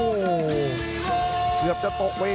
เรียบจะตกไว้ด้วยครับ